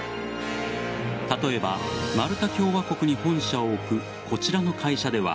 例えばマルタ共和国に本社を置くこちらの会社では